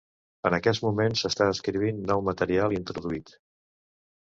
En aquest moment, s'està escrivint nou material i introduït.